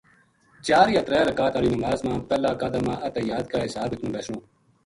چار یا ترے رکات آلی نماز ما پہلا قعدہ ما اتحیات کے حساب اتنو بیسنو۔